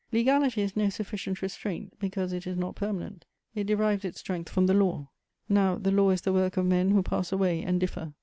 Legality is no sufficient restraint, because it is not permanent; it derives its strength from the law: now, the law is the work of men who pass away and differ.